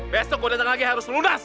besok gua datang lagi harus lu das